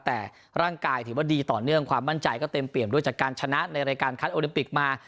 แต่ร่างกายถือว่าดีต่อเนื่องความมั่นใจก็เต็มเปี่ยมด้วยจากการชนะในรายการคัดโอลิมปิกมา